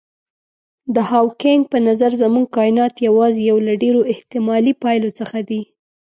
د هاوکېنګ په نظر زموږ کاینات یوازې یو له ډېرو احتمالي پایلو څخه دی.